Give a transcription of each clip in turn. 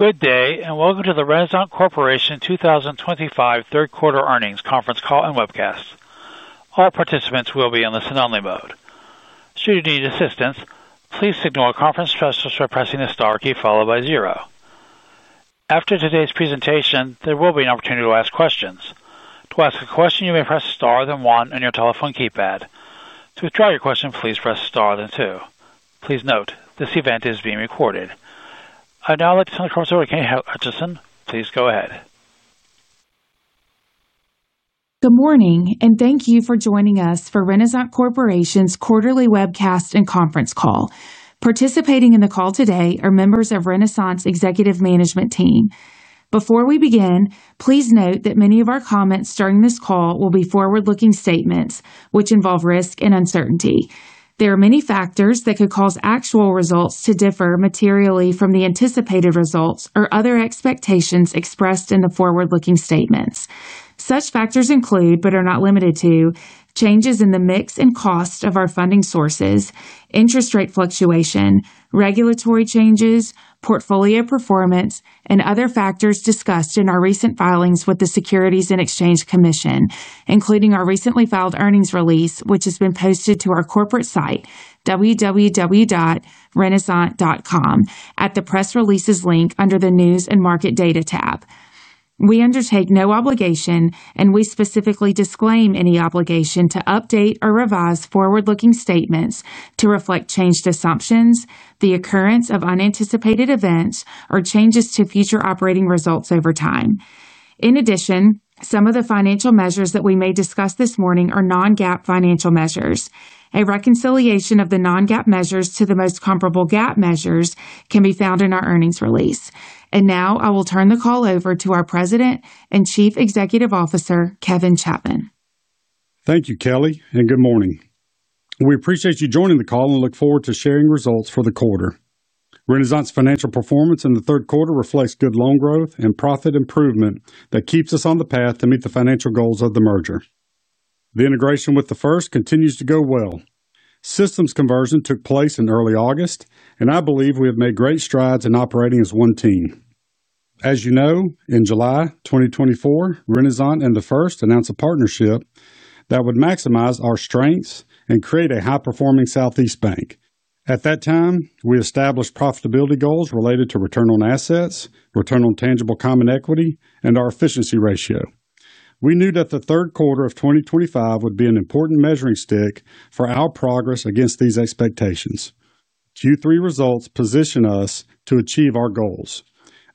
Good day, and welcome to the Renasant Corporation 2025 third quarter earnings conference call and webcast. All participants will be in listen-only mode. Should you need assistance, please signal a conference specialist by pressing the star key followed by zero. After today's presentation, there will be an opportunity to ask questions. To ask a question, you may press the star then one on your telephone keypad. To withdraw your question, please press the star then two. Please note, this event is being recorded. I'd now like to turn the conference over to Kelly Hutcheson. Please go ahead. Good morning, and thank you for joining us for Renasant Corporation's quarterly webcast and conference call. Participating in the call today are members of Renasant's executive management team. Before we begin, please note that many of our comments during this call will be forward-looking statements, which involve risk and uncertainty. There are many factors that could cause actual results to differ materially from the anticipated results or other expectations expressed in the forward-looking statements. Such factors include, but are not limited to, changes in the mix and cost of our funding sources, interest rate fluctuation, regulatory changes, portfolio performance, and other factors discussed in our recent filings with the Securities and Exchange Commission, including our recently filed earnings release, which has been posted to our corporate site, www.renasant.com, at the Press Releases link under the News and Market Data tab. We undertake no obligation, and we specifically disclaim any obligation to update or revise forward-looking statements to reflect changed assumptions, the occurrence of unanticipated events, or changes to future operating results over time. In addition, some of the financial measures that we may discuss this morning are non-GAAP financial measures. A reconciliation of the non-GAAP measures to the most comparable GAAP measures can be found in our earnings release. Now, I will turn the call over to our President and Chief Executive Officer, Kevin Chapman. Thank you, Kelly, and good morning. We appreciate you joining the call and look forward to sharing results for the quarter. Renasant's financial performance in the third quarter reflects good loan growth and profit improvement that keeps us on the path to meet the financial goals of the merger. The integration with The First continues to go well. Systems conversion took place in early August, and I believe we have made great strides in operating as one team. As you know, in July 2024, Renasant and The First announced a partnership that would maximize our strengths and create a high-performing Southeast bank. At that time, we established profitability goals related to return on assets, return on tangible common equity, and our efficiency ratio. We knew that the third quarter of 2025 would be an important measuring stick for our progress against these expectations. Q3 results position us to achieve our goals.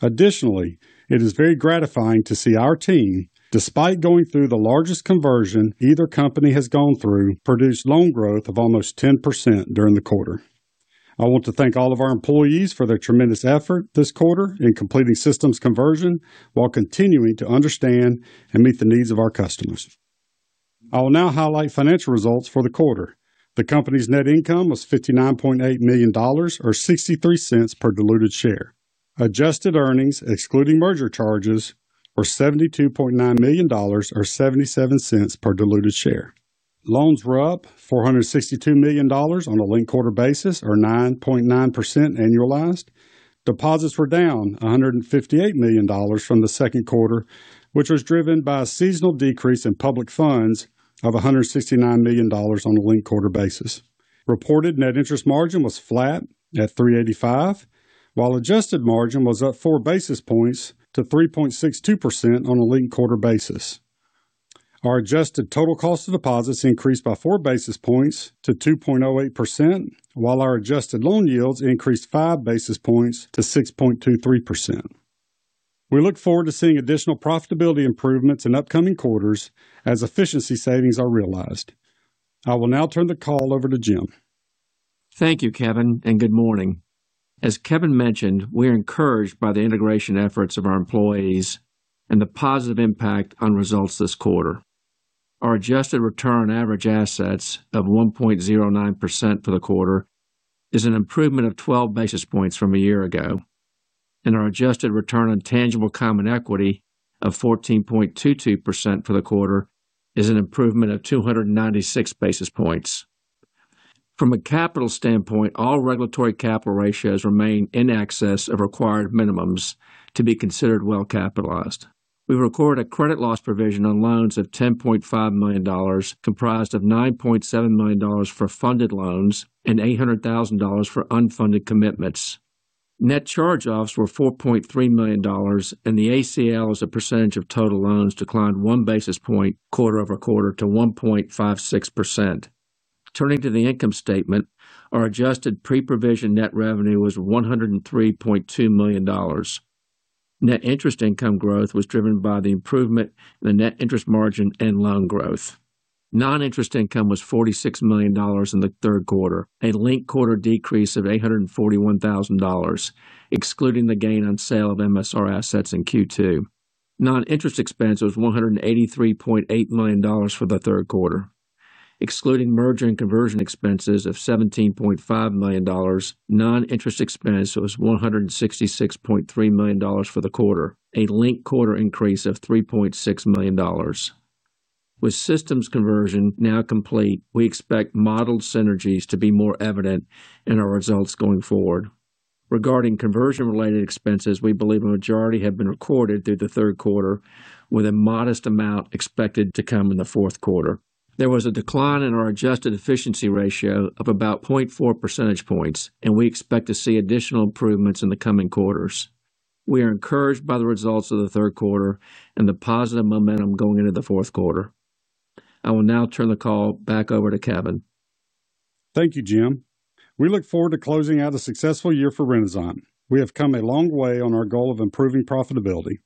Additionally, it is very gratifying to see our team, despite going through the largest conversion either company has gone through, produce loan growth of almost 10% during the quarter. I want to thank all of our employees for their tremendous effort this quarter in completing systems conversion while continuing to understand and meet the needs of our customers. I will now highlight financial results for the quarter. The company's net income was $59.8 million or $0.63 per diluted share. Adjusted earnings, excluding merger charges, were $72.9 million or $0.77 per diluted share. Loans were up $462 million on a linked quarter basis, or 9.9% annualized. Deposits were down $158 million from the second quarter, which was driven by a seasonal decrease in public funds of $169 million on a linked quarter basis. Reported net interest margin was flat at 3.85%, while adjusted margin was up four basis points to 3.62% on a linked quarter basis. Our adjusted total cost of deposits increased by four basis points to 2.08%, while our adjusted loan yields increased five basis points to 6.23%. We look forward to seeing additional profitability improvements in upcoming quarters as efficiency savings are realized. I will now turn the call over to Jim. Thank you, Kevin, and good morning. As Kevin mentioned, we are encouraged by the integration efforts of our employees and the positive impact on results this quarter. Our adjusted return on average assets of 1.09% for the quarter is an improvement of 12 basis points from a year ago, and our adjusted return on tangible common equity of 14.22% for the quarter is an improvement of 296 basis points. From a capital standpoint, all regulatory capital ratios remain in excess of required minimums to be considered well capitalized. We've recorded a credit loss provision on loans of $10.5 million, comprised of $9.7 million for funded loans and $0.8 million for unfunded commitments. Net charge-offs were $4.3 million, and the ACL as a percentage of total loans declined one basis point quarter-over-quarter to 1.56%. Turning to the income statement, our adjusted pre-provision net revenue was $103.2 million. Net interest income growth was driven by the improvement in the net interest margin and loan growth. Non-interest income was $46 million in the third quarter, a linked quarter decrease of $0.841 million, excluding the gain on sale of MSR assets in Q2. Non-interest expense was $183.8 million for the third quarter, excluding merger and conversion expenses of $17.5 million. Non-interest expense was $166.3 million for the quarter, a linked quarter increase of $3.6 million. With systems conversion now complete, we expect modeled synergies to be more evident in our results going forward. Regarding conversion-related expenses, we believe a majority have been recorded through the third quarter, with a modest amount expected to come in the fourth quarter. There was a decline in our adjusted efficiency ratio of about 0.4 percentage points, and we expect to see additional improvements in the coming quarters. We are encouraged by the results of the third quarter and the positive momentum going into the fourth quarter. I will now turn the call back over to Kevin. Thank you, Jim. We look forward to closing out a successful year for Renasant. We have come a long way on our goal of improving profitability.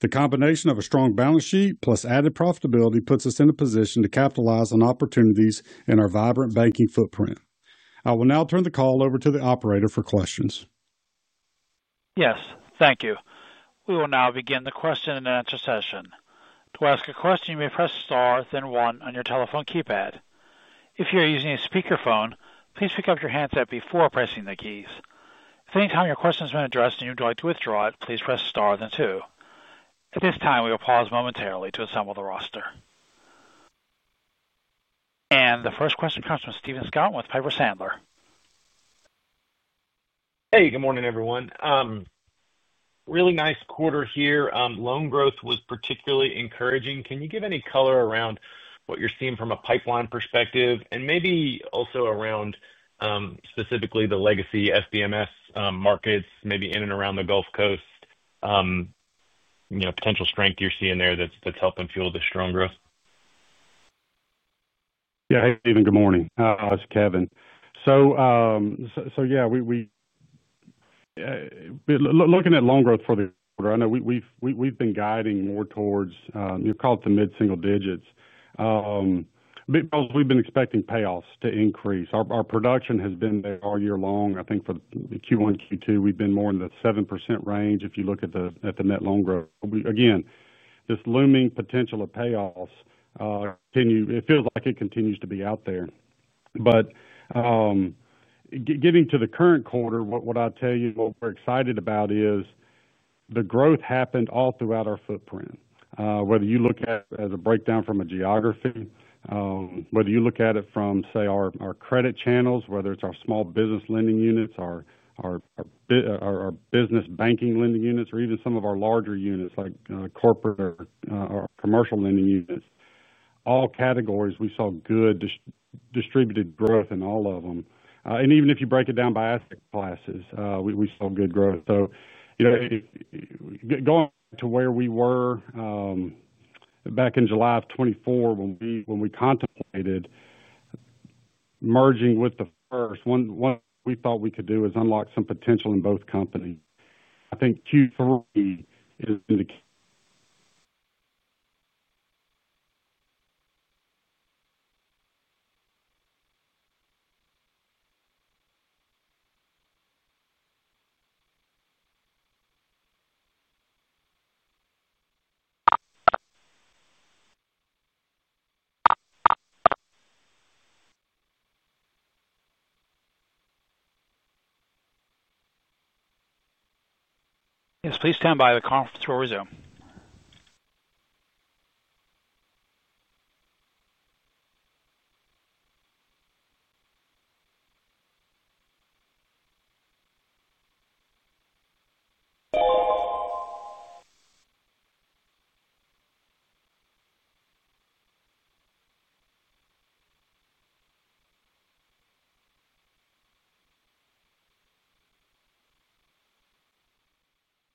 The combination of a strong balance sheet plus added profitability puts us in a position to capitalize on opportunities in our vibrant banking footprint. I will now turn the call over to the operator for questions. Yes, thank you. We will now begin the question-and-answer session. To ask a question, you may press star then one on your telephone keypad. If you are using a speakerphone, please pick up your headset before pressing the keys. If at any time your question has been addressed and you would like to withdraw it, please press star then two. At this time, we will pause momentarily to assemble the roster. The first question comes from Stephen Scouten with Piper Sandler. Hey, good morning, everyone. Really nice quarter here. Loan growth was particularly encouraging. Can you give any color around what you're seeing from a pipeline perspective and maybe also around, specifically the legacy markets, maybe in and around the Gulf Coast? You know, potential strength you're seeing there that's helping fuel this strong growth? Yeah, hey, Stephen, good morning. This is Kevin. Looking at loan growth for the quarter, I know we've been guiding more towards, you know, call it the mid-single digits, because we've been expecting payoffs to increase. Our production has been there all year long. I think for Q1, Q2, we've been more in the 7% range if you look at the net loan growth. This looming potential of payoffs feels like it continues to be out there. Getting to the current quarter, what I tell you, what we're excited about is the growth happened all throughout our footprint. Whether you look at it as a breakdown from a geography, whether you look at it from, say, our credit channels, whether it's our small business lending units, our business banking lending units, or even some of our larger units like corporate or commercial lending units, all categories, we saw good distributed growth in all of them. Even if you break it down by asset classes, we saw good growth. Going to where we were back in July of 2024, when we contemplated merging with The First, one thing we thought we could do is unlock some potential in both companies. I think Q3 is the. Yes, please stand by. The conference room will resume.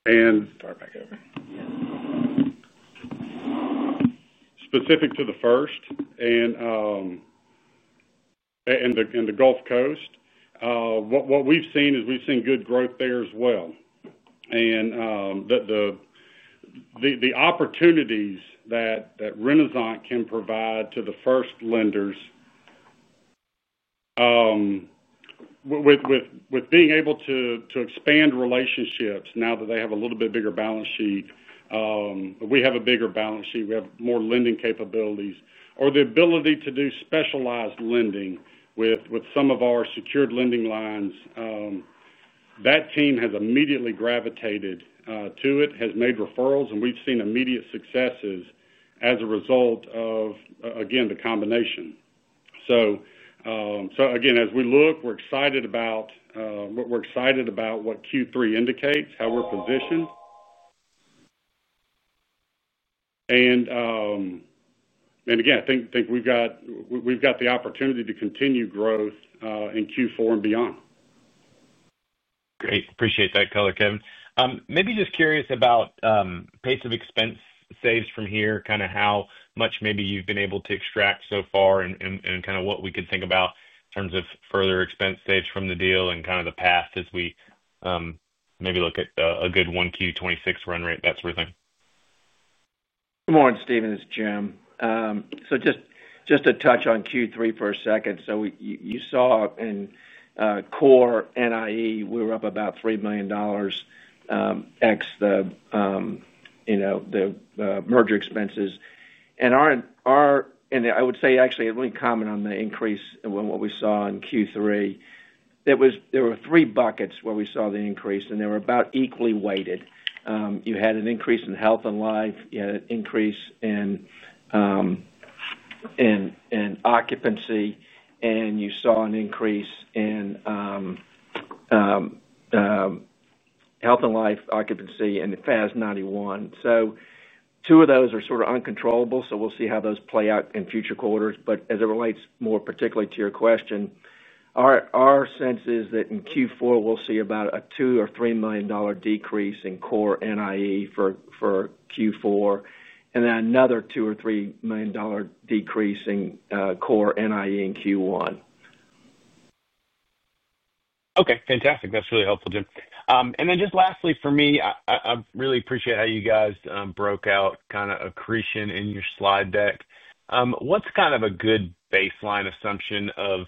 Far back over, specific to The First and the Gulf Coast, what we've seen is we've seen good growth there as well. The opportunities that Renasant can provide to The First lenders, with being able to expand relationships now that they have a little bit bigger balance sheet, we have a bigger balance sheet, we have more lending capabilities, or the ability to do specialized lending with some of our secured lending lines, that team has immediately gravitated to it, has made referrals, and we've seen immediate successes as a result of the combination. As we look, we're excited about what Q3 indicates, how we're positioned. I think we've got the opportunity to continue growth in Q4 and beyond. Great. Appreciate that color, Kevin. Maybe just curious about pace of expense saves from here, kind of how much maybe you've been able to extract so far and what we could think about in terms of further expense saves from the deal and the path as we maybe look at a good 1Q 2026 run rate, that sort of thing. Good morning, Stephen. It's Jim. Just to touch on Q3 for a second, you saw in core NIE we were up about $3 million, excluding the merger expenses. I would say actually to really comment on the increase in what we saw in Q3, there were three buckets where we saw the increase, and they were about equally weighted. You had an increase in health and life, you had an increase in occupancy, and you saw an increase in health and life occupancy in the FAS 91. Two of those are sort of uncontrollable, so we'll see how those play out in future quarters. As it relates more particularly to your question, our sense is that in Q4, we'll see about a $2 million or $3 million decrease in core NIE for Q4, and then another $2 million or $3 million decrease in core NIE in Q1. Okay. Fantastic. That's really helpful, Jim. Lastly for me, I really appreciate how you guys broke out kind of accretion in your slide deck. What's kind of a good baseline assumption of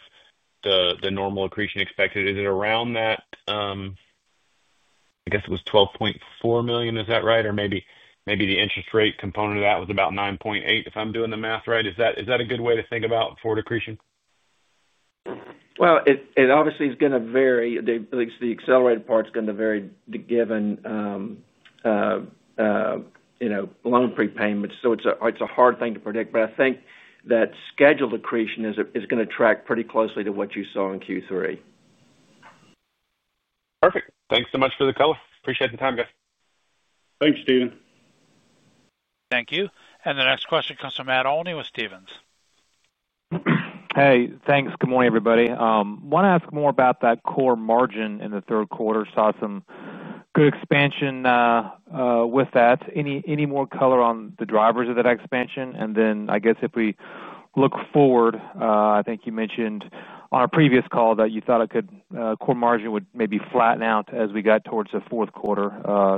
the normal accretion expected? Is it around that, I guess it was $12.4 million, is that right? Or maybe the interest rate component of that was about $9.8 million if I'm doing the math right. Is that a good way to think about forward accretion? It obviously is going to vary. At least the accelerated part is going to vary given, you know, loan prepayment. It's a hard thing to predict, but I think that scheduled accretion is going to track pretty closely to what you saw in Q3. Perfect. Thanks so much for the color. Appreciate the time, guys. Thanks, Stephen. Thank you. The next question comes from Matt Olney with Stephens. Hey, thanks. Good morning, everybody. Want to ask more about that core margin in the third quarter. Saw some good expansion with that. Any more color on the drivers of that expansion? I guess if we look forward, I think you mentioned on a previous call that you thought core margin would maybe flatten out as we got towards the fourth quarter.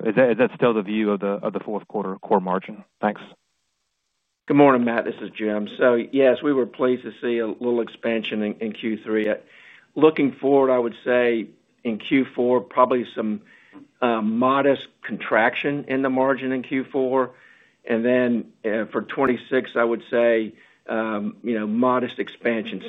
Is that still the view of the fourth quarter core margin? Thanks. Good morning, Matt. This is Jim. Yes, we were pleased to see a little expansion in Q3. Looking forward, I would say in Q4 probably some modest contraction in the margin in Q4. For 2026, I would say, you know, modest expansion.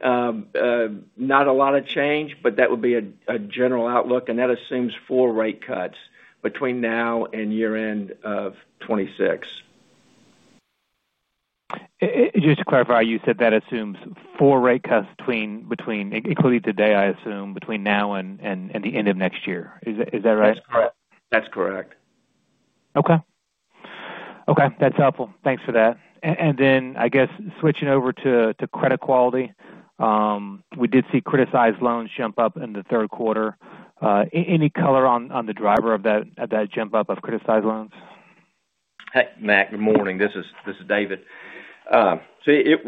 Not a lot of change, but that would be a general outlook. That assumes four rate cuts between now and year-end of 2026. Just to clarify, you said that assumes four rate cuts, including today, I assume, between now and the end of next year. Is that right? That's correct. That's correct. Okay. That's helpful. Thanks for that. I guess switching over to credit quality, we did see criticized loans jump up in the third quarter. Any color on the driver of that jump-up of criticized loans? Hey, Matt, good morning. This is David. It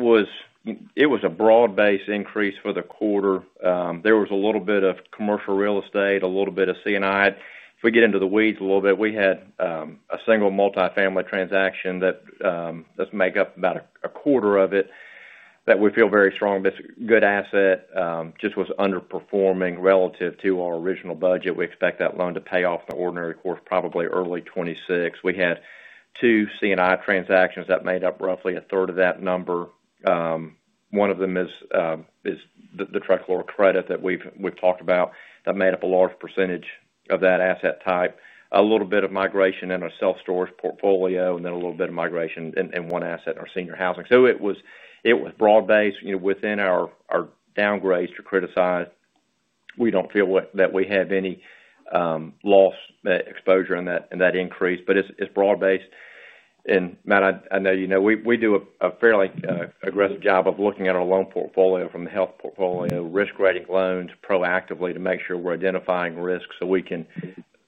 was a broad-based increase for the quarter. There was a little bit of commercial real estate, a little bit of C&I. If we get into the weeds a little bit, we had a single multifamily transaction that makes up about a quarter of it that we feel very strong. That's a good asset, just was underperforming relative to our original budget. We expect that loan to pay off in the ordinary course, probably early 2026. We had two C&I transactions that made up roughly a third of that number. One of them is the tricolor credit that we've talked about that made up a large percentage of that asset type. A little bit of migration in our self-storage portfolio, and then a little bit of migration in one asset, our senior housing. It was broad-based. Within our downgrades to criticized, we don't feel that we have any loss exposure in that increase, but it's broad-based. Matt, I know you know we do a fairly aggressive job of looking at our loan portfolio from the health portfolio, risk-grading loans proactively to make sure we're identifying risks so we can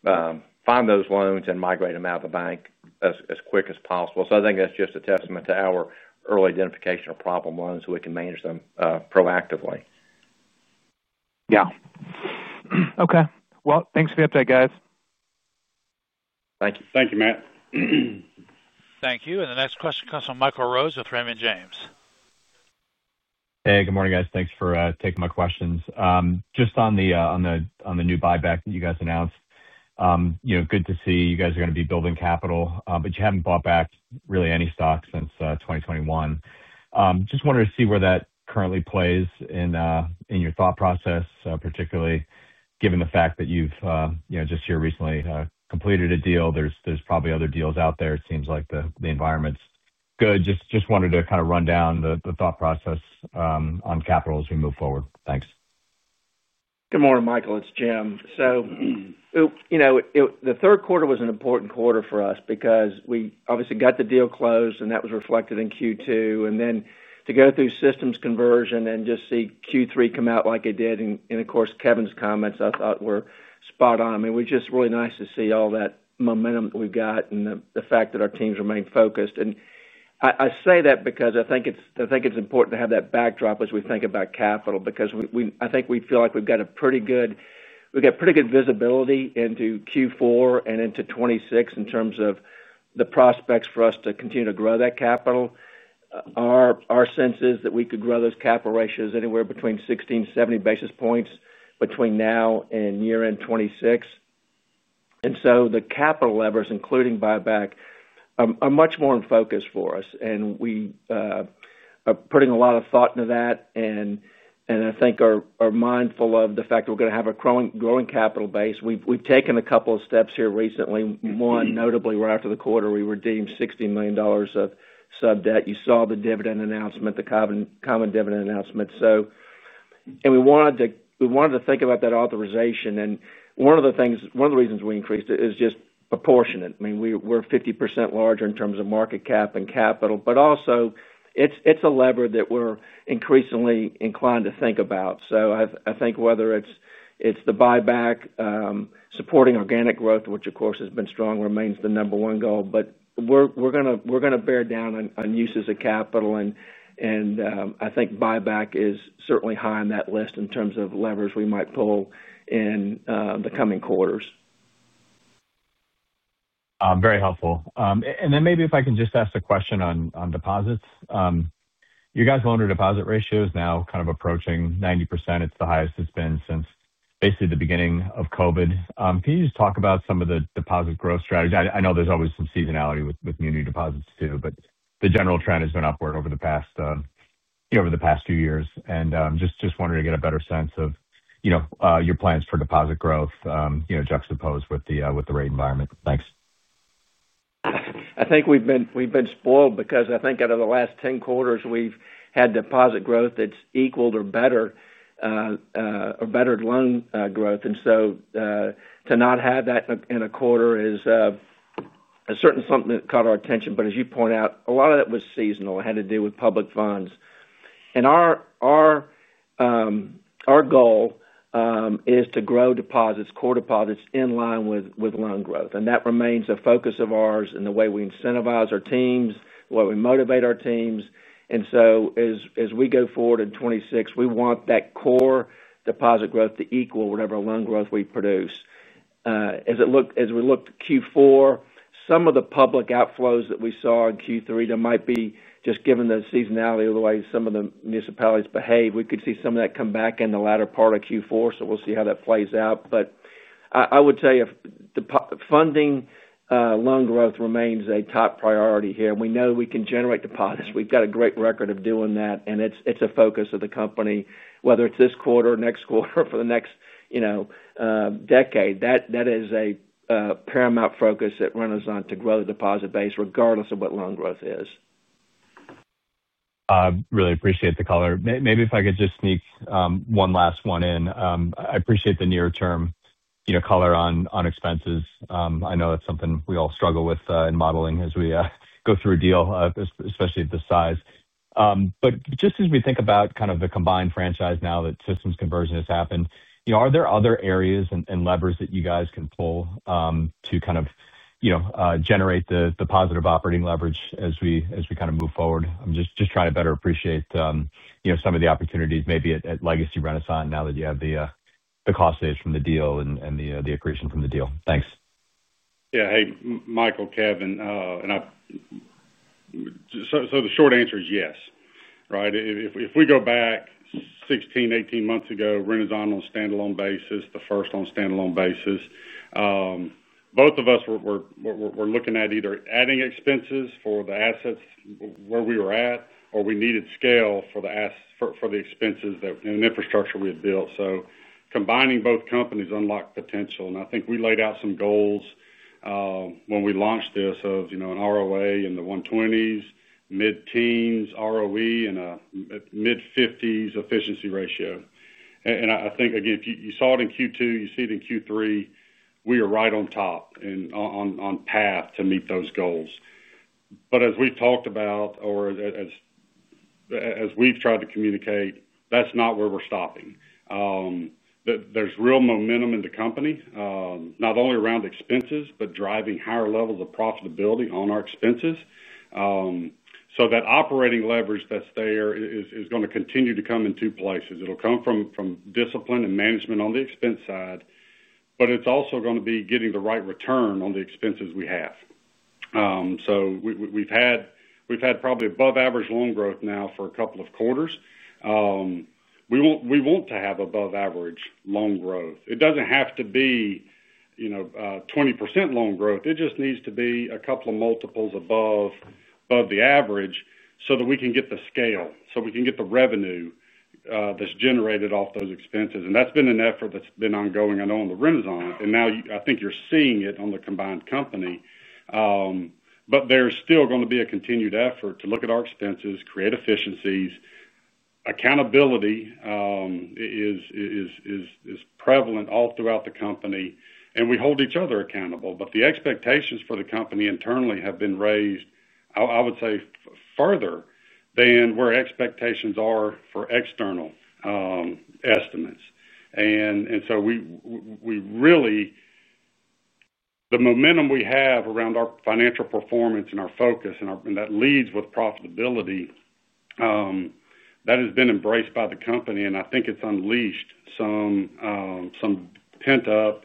find those loans and migrate them out of the bank as quick as possible. I think that's just a testament to our early identification of problem loans so we can manage them proactively. Yeah, okay. Thanks for the update, guys. Thank you. Thank you, Matt. Thank you. The next question comes from Michael Rose with Raymond James. Hey, good morning, guys. Thanks for taking my questions. Just on the new buyback that you guys announced, you know, good to see you guys are going to be building capital, but you haven't bought back really any stock since 2021. Just wanted to see where that currently plays in your thought process, particularly given the fact that you've just here recently completed a deal. There's probably other deals out there. It seems like the environment's good. Just wanted to kind of run down the thought process on capital as we move forward. Thanks. Good morning, Michael. It's Jim. The third quarter was an important quarter for us because we obviously got the deal closed, and that was reflected in Q2. To go through systems conversion and just see Q3 come out like it did, and of course, Kevin's comments I thought were spot on. It was just really nice to see all that momentum that we've got and the fact that our teams remain focused. I say that because I think it's important to have that backdrop as we think about capital because we feel like we've got pretty good visibility into Q4 and into 2026 in terms of the prospects for us to continue to grow that capital. Our sense is that we could grow those capital ratios anywhere between 60 and 70 basis points between now and year-end 2026. The capital levers, including buyback, are much more in focus for us. We are putting a lot of thought into that. I think we are mindful of the fact that we're going to have a growing capital base. We've taken a couple of steps here recently. One, notably, right after the quarter, we redeemed $60 million of sub debt. You saw the dividend announcement, the common dividend announcement. We wanted to think about that authorization. One of the reasons we increased it is just proportionate. We're 50% larger in terms of market cap and capital, but also, it's a lever that we're increasingly inclined to think about. I think whether it's the buyback, supporting organic growth, which of course has been strong, remains the number one goal. We're going to bear down on uses of capital, and I think buyback is certainly high on that list in terms of levers we might pull in the coming quarters. Very helpful. Maybe if I can just ask a question on deposits. Your guys' loan-to-deposit ratio is now kind of approaching 90%. It's the highest it's been since basically the beginning of COVID. Can you just talk about some of the deposit growth strategy? I know there's always some seasonality with muni deposits too, but the general trend has been upward over the past few years. Just wanted to get a better sense of your plans for deposit growth, juxtaposed with the rate environment. Thanks. I think we've been spoiled because I think out of the last 10 quarters, we've had deposit growth that's equaled or better, or better loan growth. To not have that in a quarter is certainly something that caught our attention. As you point out, a lot of it was seasonal. It had to do with public funds. Our goal is to grow deposits, core deposits in line with loan growth. That remains a focus of ours in the way we incentivize our teams, the way we motivate our teams. As we go forward in 2026, we want that core deposit growth to equal whatever loan growth we produce. As we looked at Q4, some of the public outflows that we saw in Q3, there might be, just given the seasonality of the way some of the municipalities behave, we could see some of that come back in the latter part of Q4. We'll see how that plays out. I would tell you the funding, loan growth remains a top priority here. We know we can generate deposits. We've got a great record of doing that. It's a focus of the company, whether it's this quarter or next quarter or for the next, you know, decade. That is a paramount focus at Renasant to grow the deposit base regardless of what loan growth is. I really appreciate the color. Maybe if I could just sneak one last one in. I appreciate the near-term, you know, color on expenses. I know that's something we all struggle with in modeling as we go through a deal, especially at this size. Just as we think about kind of the combined franchise now that systems conversion has happened, you know, are there other areas and levers that you guys can pull to kind of, you know, generate the positive operating leverage as we kind of move forward? I'm just trying to better appreciate, you know, some of the opportunities maybe at Legacy Renasant now that you have the cost saves from the deal and the accretion from the deal. Thanks. Yeah. Hey, Michael, Kevin and I, so the short answer is yes, right? If we go back 16, 18 months ago, Renasant on a standalone basis, The First on a standalone basis, both of us were looking at either adding expenses for the assets where we were at, or we needed scale for the assets, for the expenses that and the infrastructure we had built. Combining both companies unlocked potential. I think we laid out some goals when we launched this of, you know, an ROA in the 120s, mid-teens ROE, and a mid-50s efficiency ratio. I think, again, if you saw it in Q2, you see it in Q3, we are right on top and on path to meet those goals. As we've talked about or as we've tried to communicate, that's not where we're stopping. There's real momentum in the company, not only around expenses, but driving higher levels of profitability on our expenses. That operating leverage that's there is going to continue to come in two places. It'll come from discipline and management on the expense side, but it's also going to be getting the right return on the expenses we have. We've had probably above-average loan growth now for a couple of quarters. We want to have above-average loan growth. It doesn't have to be, you know, 20% loan growth. It just needs to be a couple of multiples above the average so that we can get the scale, so we can get the revenue that's generated off those expenses. That's been an effort that's been ongoing, I know, on the Renasant. Now I think you're seeing it on the combined company. There's still going to be a continued effort to look at our expenses, create efficiencies. Accountability is prevalent all throughout the company, and we hold each other accountable. The expectations for the company internally have been raised, I would say, further than where expectations are for external estimates. We really, the momentum we have around our financial performance and our focus, and that leads with profitability, that has been embraced by the company. I think it's unleashed some pent-up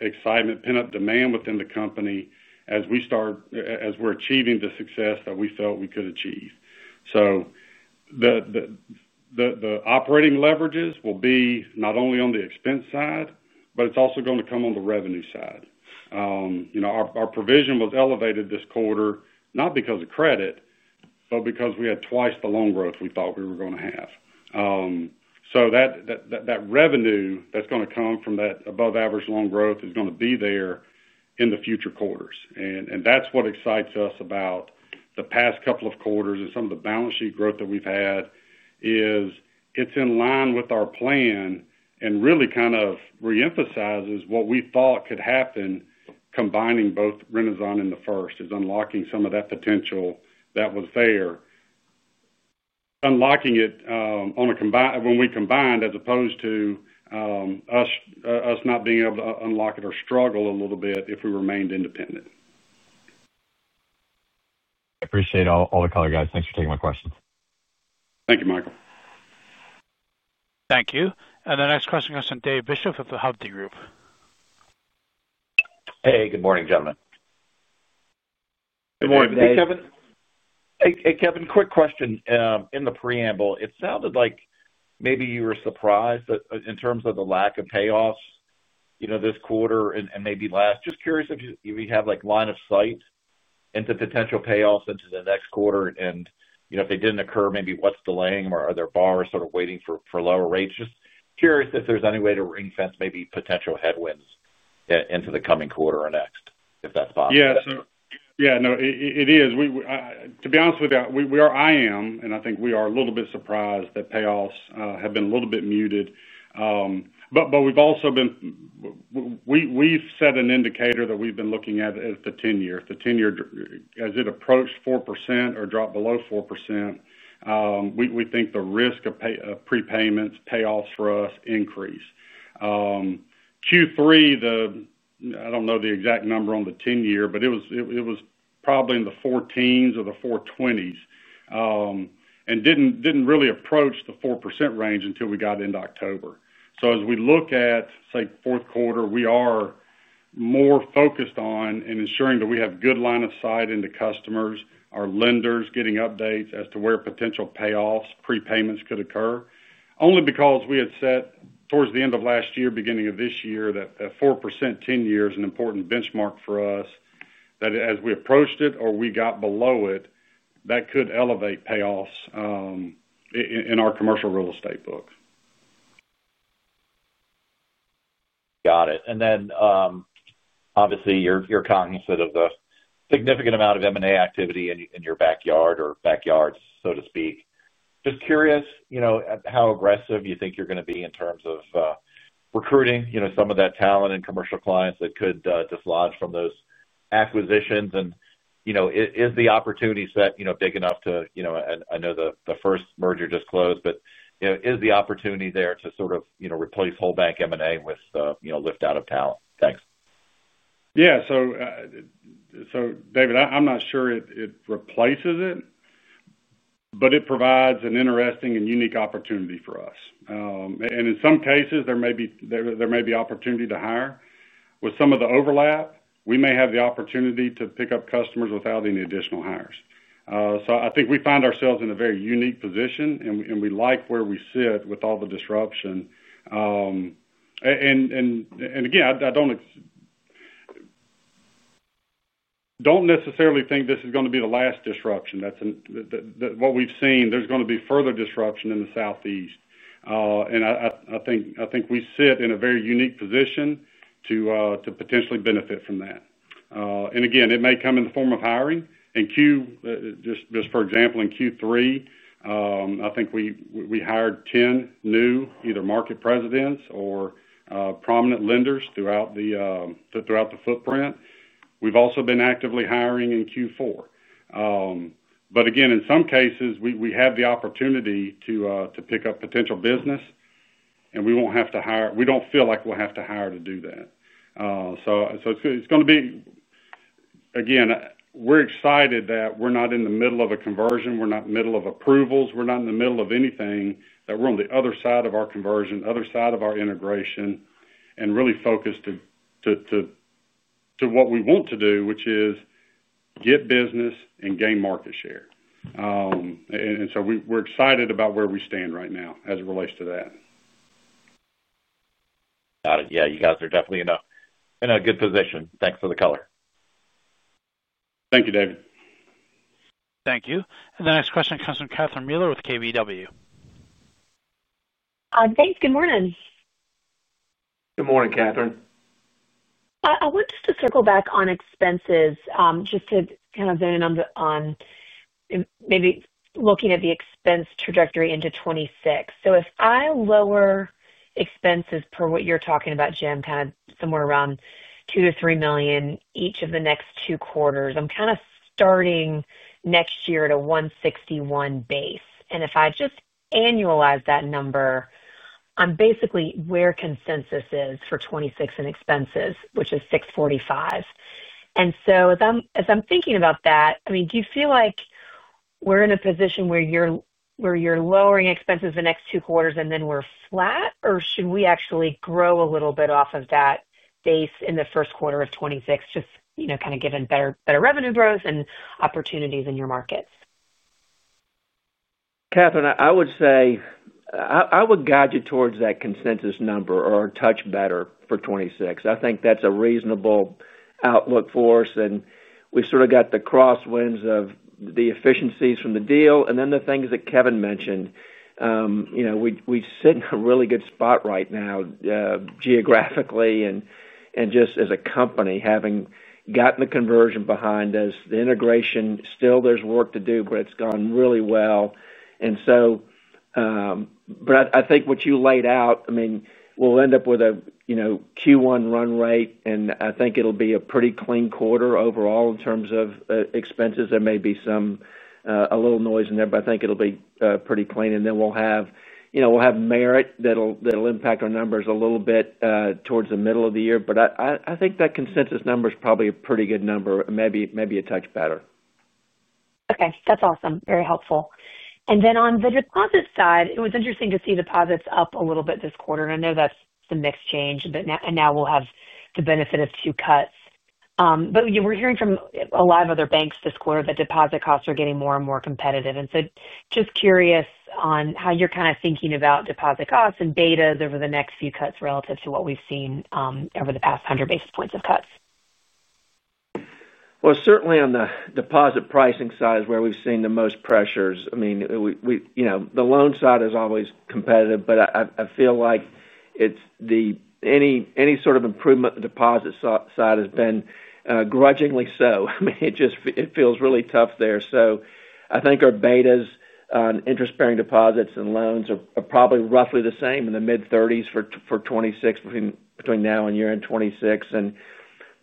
excitement, pent-up demand within the company as we're achieving the success that we felt we could achieve. The operating leverages will be not only on the expense side, but it's also going to come on the revenue side. Our provision was elevated this quarter, not because of credit, but because we had twice the loan growth we thought we were going to have. That revenue that's going to come from that above-average loan growth is going to be there in the future quarters. That's what excites us about the past couple of quarters and some of the balance sheet growth that we've had. It's in line with our plan and really kind of reemphasizes what we thought could happen combining both Renasant and The First is unlocking some of that potential that was there, unlocking it when we combined as opposed to us not being able to unlock it or struggle a little bit if we remained independent. I appreciate all the color, guys. Thanks for taking my questions. Thank you, Michael. Thank you. The next question comes from David Bishop of the Hovde Group. Hey, good morning, gentlemen. Good morning. Good morning, Kevin. Hey, Kevin, quick question. In the preamble, it sounded like maybe you were surprised in terms of the lack of payoffs this quarter and maybe last. Just curious if you have line of sight into potential payoffs into the next quarter and if they didn't occur, maybe what's delaying them or are there borrowers sort of waiting for lower rates? Just curious if there's any way to ring-fence potential headwinds into the coming quarter or next if that's possible. Yeah, it is. To be honest with you, I am, and I think we are a little bit surprised that payoffs have been a little bit muted. We've also been, we've set an indicator that we've been looking at, which is the 10-year. If the 10-year, as it approached 4% or dropped below 4%, we think the risk of prepayments, payoffs for us increase. Q3, I don't know the exact number on the 10-year, but it was probably in the 4-teens or the 4-20s and didn't really approach the 4% range until we got into October. As we look at, say, fourth quarter, we are more focused on ensuring that we have good line of sight into customers, our lenders getting updates as to where potential payoffs, prepayments could occur, only because we had set towards the end of last year, beginning of this year, that a 4% 10-year is an important benchmark for us. As we approached it or we got below it, that could elevate payoffs in our commercial real estate books. Got it. Obviously, you're cognizant of the significant amount of M&A activity in your backyard or backyards, so to speak. Just curious how aggressive you think you're going to be in terms of recruiting some of that talent and commercial clients that could dislodge from those acquisitions. Is the opportunity set big enough to, and I know the The First merger just closed, but is the opportunity there to sort of replace whole bank M&A with lift out of talent? Thanks. Yeah. David, I'm not sure it replaces it, but it provides an interesting and unique opportunity for us. In some cases, there may be opportunity to hire. With some of the overlap, we may have the opportunity to pick up customers without any additional hires. I think we find ourselves in a very unique position, and we like where we sit with all the disruption. I don't necessarily think this is going to be the last disruption. That's what we've seen. There's going to be further disruption in the Southeast. I think we sit in a very unique position to potentially benefit from that. It may come in the form of hiring. Just for example, in Q3, I think we hired 10 new either Market Presidents or prominent lenders throughout the footprint. We've also been actively hiring in Q4. In some cases, we have the opportunity to pick up potential business, and we won't have to hire. We don't feel like we'll have to hire to do that. We're excited that we're not in the middle of a conversion. We're not in the middle of approvals. We're not in the middle of anything. We're on the other side of our conversion, the other side of our integration, and really focused on what we want to do, which is get business and gain market share. We're excited about where we stand right now as it relates to that. Got it. Yeah, you guys are definitely in a good position. Thanks for the color. Thank you, David. Thank you. The next question comes from Catherine Mealor with KBW. Hi, thanks. Good morning. Good morning, Catherine. I want to circle back on expenses, just to kind of zoom in on maybe looking at the expense trajectory into 2026. If I lower expenses per what you're talking about, Jim, kind of somewhere around $2 million-$3 million each of the next two quarters, I'm kind of starting next year at a $161 million base. If I just annualize that number, I'm basically where consensus is for 2026 in expenses, which is $645 million. As I'm thinking about that, do you feel like we're in a position where you're lowering expenses the next two quarters and then we're flat, or should we actually grow a little bit off of that base in the first quarter of 2026, just given better revenue growth and opportunities in your markets? Catherine, I would say I would guide you towards that consensus number or a touch better for 2026. I think that's a reasonable outlook for us. We sort of got the crosswinds of the efficiencies from the deal, and then the things that Kevin mentioned. You know, we sit in a really good spot right now, geographically, and just as a company, having gotten the conversion behind us, the integration. Still, there's work to do, but it's gone really well. I think what you laid out, I mean, we'll end up with a Q1 run rate, and I think it'll be a pretty clean quarter overall in terms of expenses. There may be a little noise in there, but I think it'll be pretty clean. We'll have merit that'll impact our numbers a little bit towards the middle of the year. I think that consensus number is probably a pretty good number, maybe a touch better. Okay. That's awesome. Very helpful. On the deposit side, it was interesting to see deposits up a little bit this quarter. I know that's some mixed change, but now we'll have the benefit of two cuts. You know, we're hearing from a lot of other banks this quarter that deposit costs are getting more and more competitive. I'm just curious on how you're kind of thinking about deposit costs and betas over the next few cuts relative to what we've seen over the past 100 basis points of cuts. On the deposit pricing side is where we've seen the most pressures. The loan side is always competitive, but I feel like any sort of improvement on the deposit side has been grudgingly so. It just feels really tough there. I think our betas on interest-bearing deposits and loans are probably roughly the same in the mid-30 for 2026 between now and year-end 2026.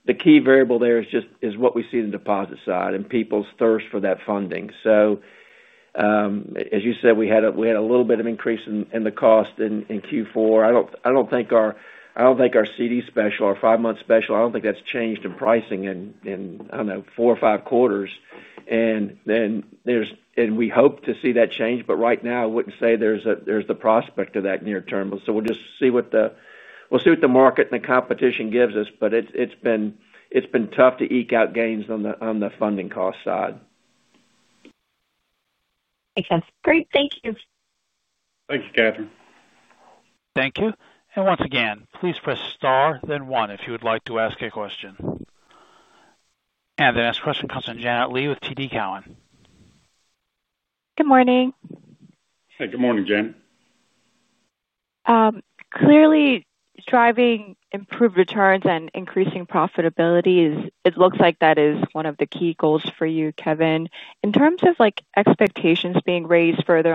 The key variable there is just what we see in the deposit side and people's thirst for that funding. As you said, we had a little bit of increase in the cost in Q4. I don't think our CD special, our five-month special, I don't think that's changed in pricing in, I don't know, four or five quarters. We hope to see that change, but right now I wouldn't say there's the prospect of that near-term. We'll just see what the market and the competition gives us. It's been tough to eke out gains on the funding cost side. Makes sense. Great, thank you. Thank you, Catherine. Thank you. Once again, please press star then one if you would like to ask a question. The next question comes from Janet Lee with TD Cowen. Good morning. Hey, good morning, Janet. Clearly, driving improved returns and increasing profitability, it looks like that is one of the key goals for you, Kevin. In terms of expectations being raised further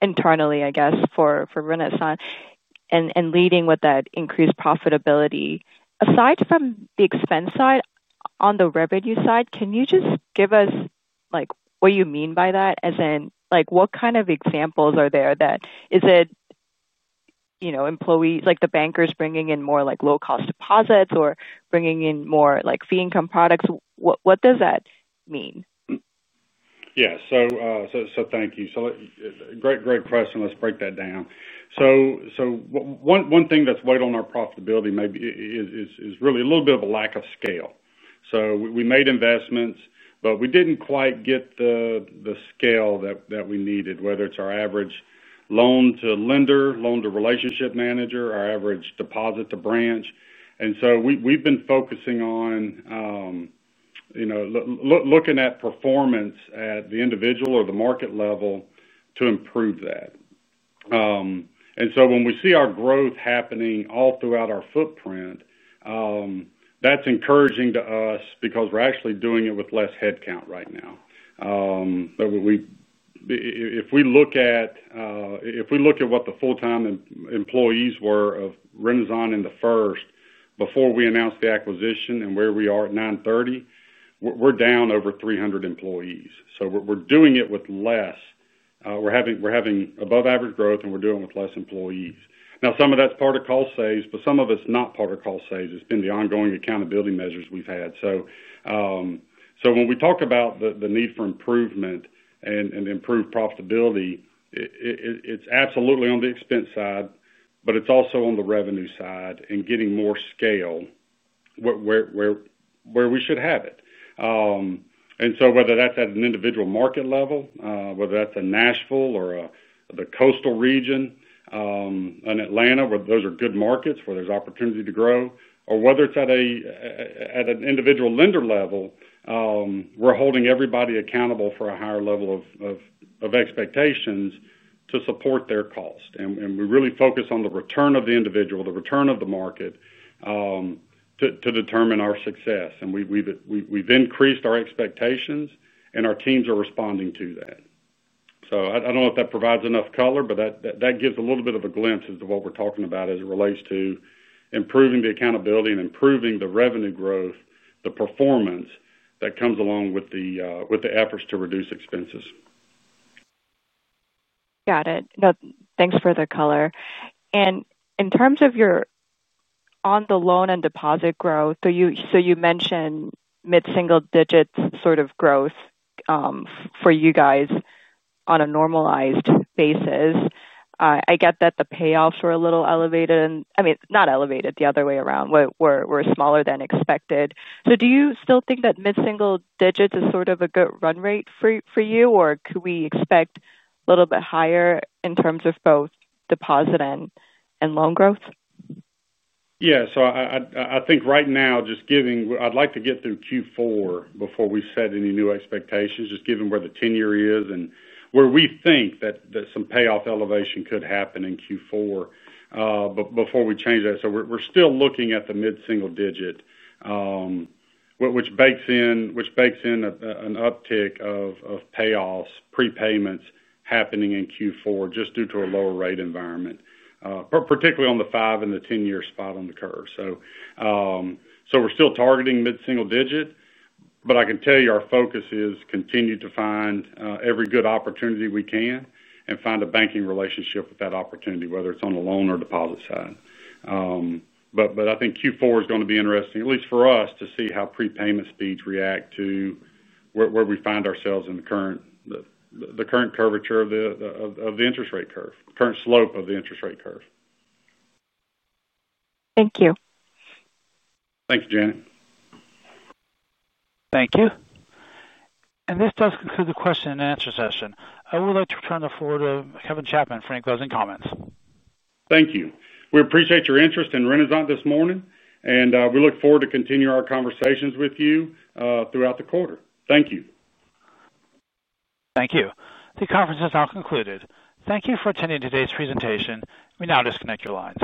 internally, I guess for Renasant and leading with that increased profitability, aside from the expense side, on the revenue side, can you just give us what you mean by that, as in what kind of examples are there? Is it employees, like the bankers bringing in more low-cost deposits or bringing in more fee-income products? What does that mean? Yeah. Thank you. Great, great question. Let's break that down. One thing that's weighed on our profitability maybe is really a little bit of a lack of scale. We made investments, but we didn't quite get the scale that we needed, whether it's our average loan to lender, loan to relationship manager, our average deposit to branch. We've been focusing on looking at performance at the individual or the market level to improve that. When we see our growth happening all throughout our footprint, that's encouraging to us because we're actually doing it with less headcount right now. If we look at what the full-time employees were of Renasant and The First before we announced the acquisition and where we are at 9:30, we're down over 300 employees. We're doing it with less. We're having above-average growth, and we're doing it with less employees. Now, some of that's part of call saves, but some of it's not part of call saves. It's been the ongoing accountability measures we've had. When we talk about the need for improvement and improved profitability, it's absolutely on the expense side, but it's also on the revenue side and getting more scale where we should have it. Whether that's at an individual market level, whether that's a Nashville or the coastal region, an Atlanta, where those are good markets where there's opportunity to grow, or whether it's at an individual lender level, we're holding everybody accountable for a higher level of expectations to support their cost. We really focus on the return of the individual, the return of the market, to determine our success. We've increased our expectations, and our teams are responding to that. I don't know if that provides enough color, but that gives a little bit of a glimpse as to what we're talking about as it relates to improving the accountability and improving the revenue growth, the performance that comes along with the efforts to reduce expenses. Got it. No, thanks for the color. In terms of your loan and deposit growth, you mentioned mid-single-digit sort of growth for you guys on a normalized basis. I get that the payoffs were a little elevated, I mean, not elevated, the other way around. They were smaller than expected. Do you still think that mid-single digits is sort of a good run rate for you, or could we expect a little bit higher in terms of both deposit and loan growth? Yeah. I think right now, just given I'd like to get through Q4 before we set any new expectations, just given where the 10-year is and where we think that some payoff elevation could happen in Q4 before we change that. We're still looking at the mid-single digit, which bakes in an uptick of payoffs, prepayments happening in Q4 just due to a lower rate environment, particularly on the 5 and the 10-year spot on the curve. We're still targeting mid-single digit, but I can tell you our focus is to continue to find every good opportunity we can and find a banking relationship with that opportunity, whether it's on the loan or deposit side. I think Q4 is going to be interesting, at least for us, to see how prepayment speeds react to where we find ourselves in the current curvature of the interest rate curve, the current slope of the interest rate curve. Thank you. Thank you, Janet. Thank you. This does conclude the question-and-answer session. I would like to turn the floor to Kevin Chapman for any closing comments. Thank you. We appreciate your interest in Renasant this morning, and we look forward to continuing our conversations with you throughout the quarter. Thank you. Thank you. The conference has now concluded. Thank you for attending today's presentation. We now disconnect your lines.